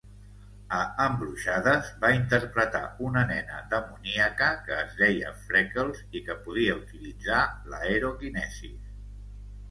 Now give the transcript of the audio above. A "Embruixades" va interpretar una nena demoníaca que es deia Freckles i que podia utilitzar l'aerokinesis.